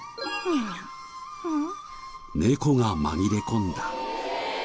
猫が紛れ込んだ。